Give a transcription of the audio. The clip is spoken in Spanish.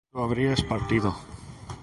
tú habrías partido